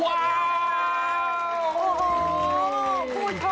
ว้าว